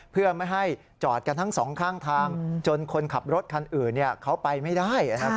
เพื่อไม่ให้จอดกันทั้งสองข้างทางจนคนขับรถคันอื่นเขาไปไม่ได้